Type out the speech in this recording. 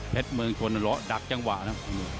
เพชรเมืองชนดักจังหวะนะ